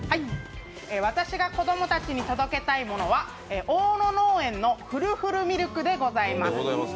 私が子ども達に届けたいものは、大野農園のふるふるミルクでございます。